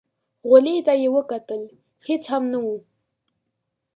غولي ته يې وکتل، هېڅ هم نه و.